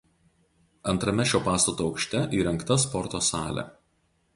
Antrame šio pastato aukšte įrengta sporto salė.